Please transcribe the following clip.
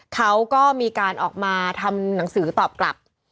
เขาก็มีการออกมาทำหนังสือตอบกลับ